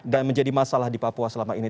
dan menjadi masalah di papua selama ini